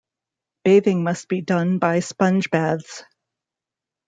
Bathing must be done by sponge baths.